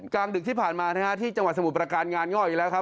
กลางดึกที่ผ่านมานะฮะที่จังหวัดสมุทรประการงานง่ออีกแล้วครับ